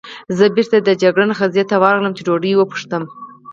زه بېرته د جګړن خزې ته ورغلم، چې ډوډۍ وپوښتم.